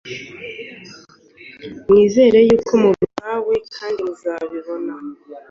mwizere yuko mubihawe kandi muzabibona.